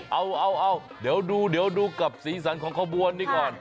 เอาเดี๋ยวดูกับสีสันของขบวนนี้ก่อน